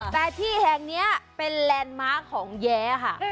แต่ที่แห่งนี้เป็นแลนด์มาร์คของแย้ค่ะ